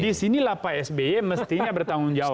disinilah pak sby mestinya bertanggung jawab